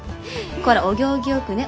こらお行儀よくね。